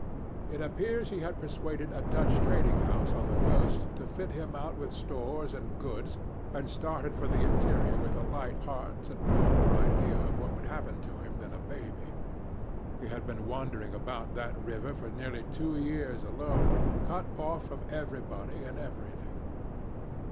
It appears he had persuaded a Dutch trading house on the coast to fit him out with stores and goods, and had started for the interior with a light heart, and no more idea of what would happen to him than a baby. He had been wandering about that river for nearly two years alone, cut off from everybody and everything.